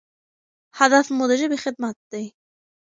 هدف مو د ژبې خدمت دی.